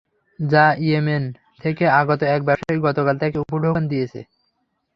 যা ইয়ামেন থেকে আগত এক ব্যবসায়ী গতকাল তাঁকে উপঢৌকন দিয়েছে।